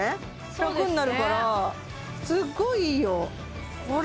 楽になるからすっごいいいよ